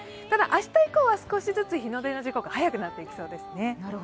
ただ明日以降は少しずつ日の出の時刻、早くなっていきそうです。